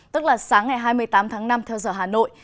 tức là sáng ngày hai mươi tám tháng năm theo giờ hà nội